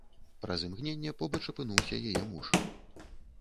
Праз імгненне побач апынуўся яе муж.